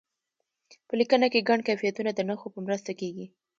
په لیکنه کې ګڼ کیفیتونه د نښو په مرسته کیږي.